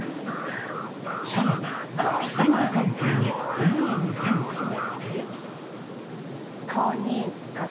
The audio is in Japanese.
更に夫婦関係に思わぬ変化も！